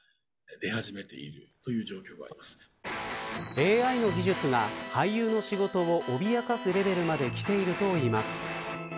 ＡＩの技術が俳優の仕事を脅かすレベルまできているといいます。